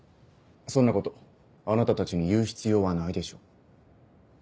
そんなことあなたたちに言う必要はないでしょう。